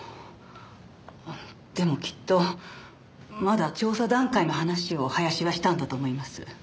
でもきっとまだ調査段階の話を林はしたんだと思います。